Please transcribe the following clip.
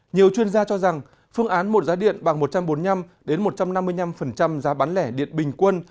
nhiều chuyên gia cho rằng phương án một giá điện bằng một trăm bốn mươi năm một trăm năm mươi năm giá bán lẻ điện bình quân